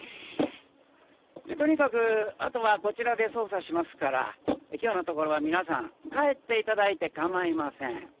とにかく後はこちらで捜査しますから今日のところは皆さん帰って頂いてかまいません。